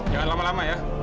jangan lama lama ya